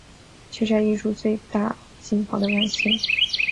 去摘一株最大最金黄的麦穗